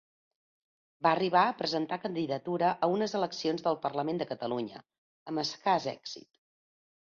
Va arribar a presentar candidatura a unes eleccions al Parlament de Catalunya, amb escàs èxit.